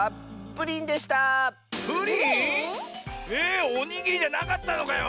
プリン？えおにぎりじゃなかったのかよ。